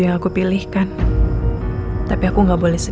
nanti aku mohon arnold ke awalnya